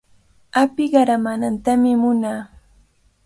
Api qaramaanantami munaa.